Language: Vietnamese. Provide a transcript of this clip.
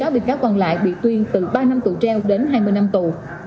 một mươi sáu bị cáo còn lại bị tuyến từ ba năm tù treo đến hai mươi năm tù